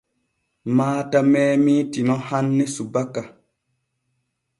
Maata meemii Tino hanne subaka.